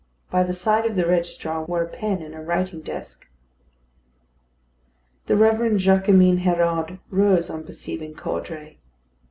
By the side of the register were a pen and a writing desk. The Reverend Jaquemin Hérode rose on perceiving Caudray.